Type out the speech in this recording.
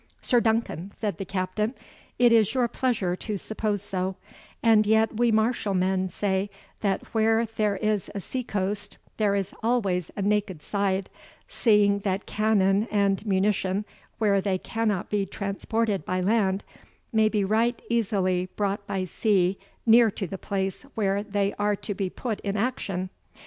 "Sir Duncan," said the Captain, "it is your pleasure to suppose so; and yet we martial men say, that where there is a sea coast there is always a naked side, seeing that cannon and munition, where they cannot be transported by land, may be right easily brought by sea near to the place where they are to be put in action.